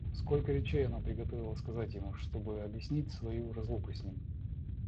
Сколько речей она приготовила сказать ему, чтобы объяснить свою разлуку с ним!